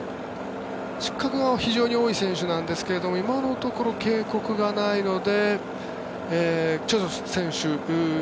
失格が非常に多い選手ですが今のところ警告がないので